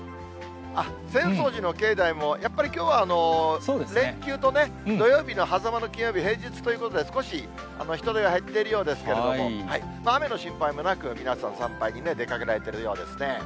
浅草寺の境内も、やっぱりきょうは連休と土曜日のはざまの金曜日、平日ということで、少し人出が減っているようですけれども、雨の心配もなく、皆さん、参拝に出かけられているようですね。